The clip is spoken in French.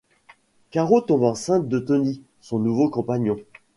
Caro tombe enceinte de Tony, son nouveau compagnon.